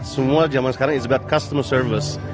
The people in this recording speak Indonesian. semua zaman sekarang is about customer service